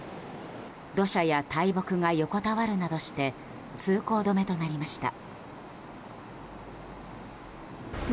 土砂や大木が横たわるなどして通行止めとなりました。